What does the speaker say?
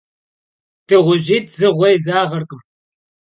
Dığujit' zı ğue yizağerkhım.